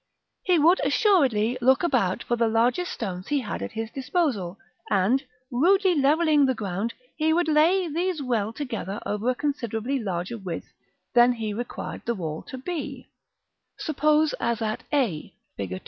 He would assuredly look about for the largest stones he had at his disposal, and, rudely levelling the ground, he would lay these well together over a considerably larger width than he required the wall to be (suppose as at a, Fig.